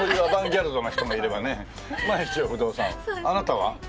あなたは？